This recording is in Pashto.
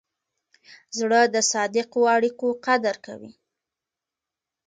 زړه د صادقو اړیکو قدر کوي.